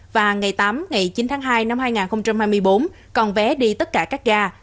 và ngày tám ngày chín tháng hai năm hai nghìn hai mươi bốn còn vé đi tất cả các ga